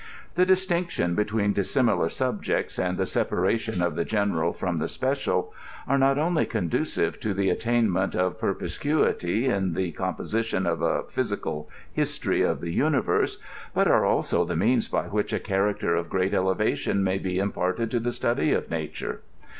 The distinction 'between dissimilar subjects, and the s^a ration of the general from the j^ipeoial, are not only conducive to the attainment «f perspicuity in the composition of a phys ical history of the •universe, but are also the means by which a eharacter of greater elevation may be Imparted to the study of nature.